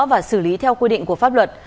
và xử lý theo quy định của pháp luật